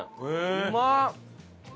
うまっ！